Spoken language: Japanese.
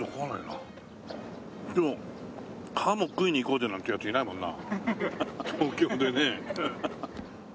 でもハモ食いに行こうぜなんてヤツいないもんな東京でね。